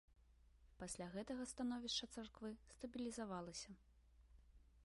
Пасля гэтага становішча царквы стабілізавалася.